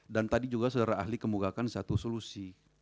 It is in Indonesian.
dan tadi juga saudara ahli kemungkakan satu solusi